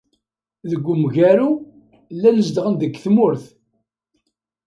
Deg umgaru, llan zedɣen deg tmurt.